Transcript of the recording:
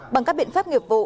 bằng các biện pháp nghiệp vụ